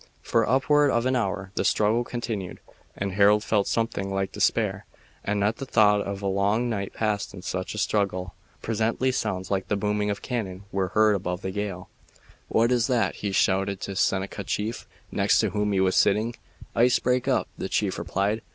For upward of an hour the struggle continued, and Harold felt something like despair at the thought of a long night passed in such a struggle. Presently sounds like the booming of cannon were heard above the gale. "What is that?" he shouted to the Seneca chief, next to whom he was sitting. "Ice break up," the chief replied.